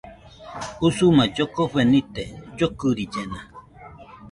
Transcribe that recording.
Usuma llokofe nite, llokɨrillena